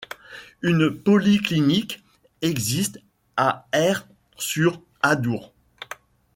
Une polyclinique existe à Aire-sur-Adour.